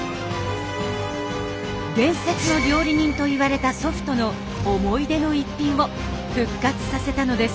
伝説の料理人といわれた祖父との思い出の一品を復活させたのです。